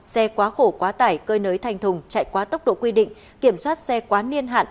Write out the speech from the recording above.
xe quá khổ quá tải cơi nới thành thùng chạy quá tốc độ quy định kiểm soát xe quá niên hạn